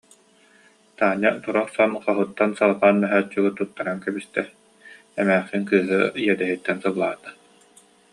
Таня тура охсон хоһуттан салапаан мөһөөччүгү туттаран кэбистэ, эмээхсин кыыһы иэдэһиттэн сыллаата: